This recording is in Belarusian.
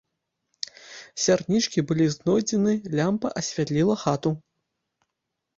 Сярнічкі былі знойдзены, лямпа асвятліла хату.